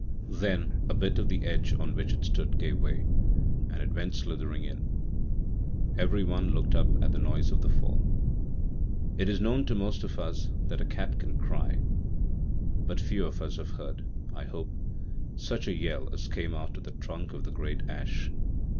Then a bit of the edge on which it stood gave way, and it went slithering in. Everyone looked up at the noise of the fall. It is known to most of us that a cat can cry; but few of us have heard, I hope, such a yell as came out of the trunk of the great ash.